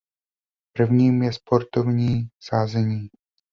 Prvním je sportovní sázení.